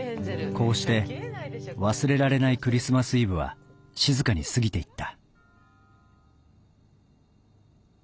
こうして忘れられないクリスマス・イブは静かに過ぎていった